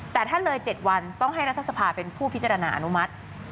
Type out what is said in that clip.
แต่ถ้าเลย๗วันต้องให้รัฐสภาเป็นผู้พิจารณาอนุมัติ